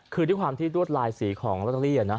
คือที่ความที่รวดลายสีของล็อตเตอรี่อ่ะนะ